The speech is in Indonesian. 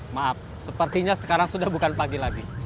maaf sepertinya sekarang sudah bukan pagi lagi